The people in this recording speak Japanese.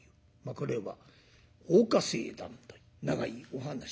これは「大岡政談」という長いお噺。